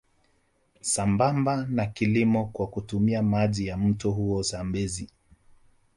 Sambamba na kilimo kwa kutumia maji ya mto huo Zambezi